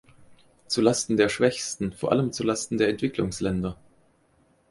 Zu Lasten der Schwächsten, vor allem zu Lasten der Entwicklungsländer.